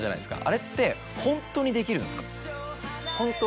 あれってホントにできるんですか？